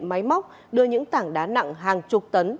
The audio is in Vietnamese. máy móc đưa những tảng đá nặng hàng chục tấn